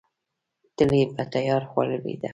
تل یې په تیار خوړلې ده.